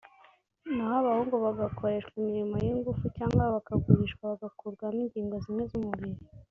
naho abahungu bakoreshwa imirimo y’ingufu cyangwa bakagurishwa bagakurwamo ingingo zimwe z’umubiri